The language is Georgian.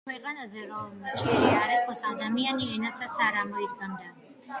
„ქვეყანაზე, რომ ჭირი არ იყოს, ადამიანი ენასაც არ ამოიდგამდა.“